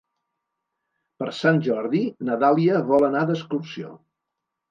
Per Sant Jordi na Dàlia vol anar d'excursió.